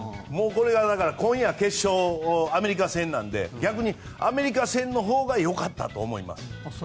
今夜、決勝アメリカ戦なので逆にアメリカ戦のほうがよかったと思います。